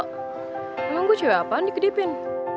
kalian gue cewek apaan dikedipin